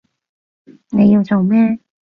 你要做咩？